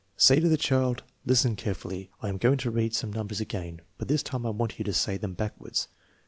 Say to the child: "Listen carefully. I am going to read some numbers again, but this time I want you to say them backwards.